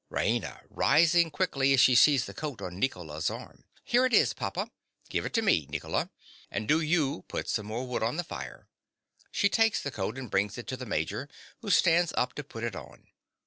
_) RAINA. (rising quickly, as she sees the coat on Nicola's arm). Here it is, papa. Give it to me, Nicola; and do you put some more wood on the fire. (_She takes the coat, and brings it to the Major, who stands up to put it on.